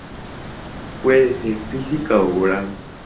Puede ser: física o moral.